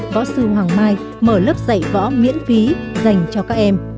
võ sư hoàng mai mở lớp dạy võ miễn phí dành cho các em